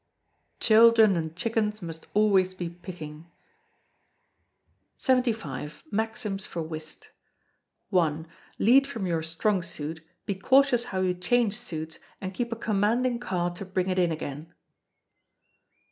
[CHILDREN AND CHICKENS MUST ALWAYS BE PICKING.] 75. Maxims for Whist. i. Lead from your strong suit, be cautious how you change suits, and keep a commanding card to bring it in again.